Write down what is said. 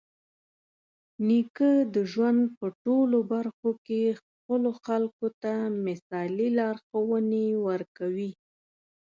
نیکه د ژوند په ټولو برخه کې خپلو خلکو ته مثالي لارښوونې ورکوي.